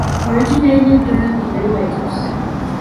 Originated during the Middle ages.